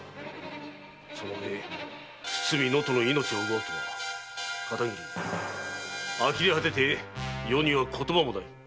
そのうえ堤能登の命を奪うとはあきれ果てて余には言葉もない。